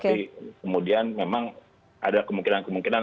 tapi kemudian memang ada kemungkinan kemungkinan